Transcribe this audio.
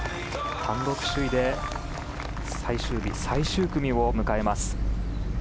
単独首位で最終日最終組を迎えます。